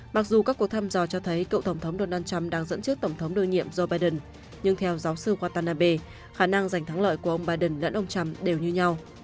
mặc dù các cuộc thăm dò cho thấy cựu tổng thống donald trump đang dẫn trước tổng thống đương nhiệm joe biden nhưng theo giáo sư watanabe khả năng giành thắng lợi của ông biden lẫn ông trump đều như nhau